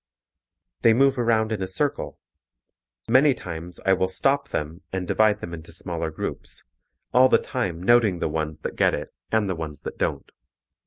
They move around in a circle. Many times I will stop them and divide them into smaller groups, all the time noting the ones that get it and the ones that don't.